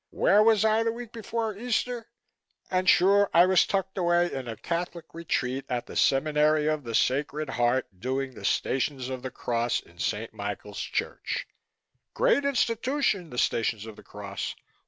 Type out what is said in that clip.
Where was I the week before Easter? And sure I was tucked away in a Catholic Retreat at the Seminary of the Sacred Heart, doing the Stations of the Cross in St. Michael's Church. Great institution the Stations of the Cross.